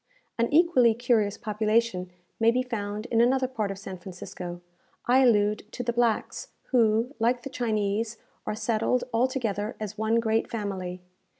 An equally curious population may be found in another part of San Francisco. I allude to the blacks, who, like the Chinese, are settled altogether as one great family.